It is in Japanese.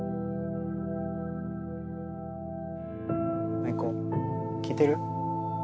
麻衣子聞いてる？